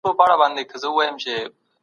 په سياسي بهير کي به د ځوانانو ونډه زياته سي.